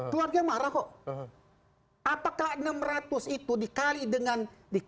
keluarga marah kok apakah enam ratus itu dikali dengan dikawa